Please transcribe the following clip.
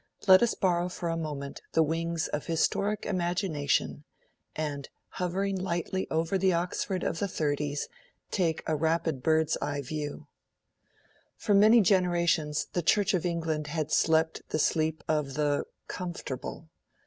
Let us borrow for a moment the wings of Historic Imagination, and, hovering lightly over the Oxford of the thirties, take a rapid bird's eye view. For many generations the Church of England had slept the sleep of the ...comfortable.